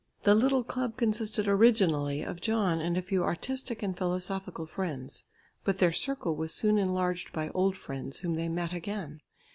The little club consisted originally of John and a few artistic and philosophical friends. But their circle was soon enlarged by old friends whom they met again.